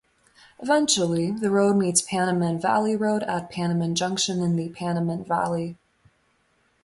Eventually, the road meets Panamint Valley Road at Panamint Junction in the Panamint Valley.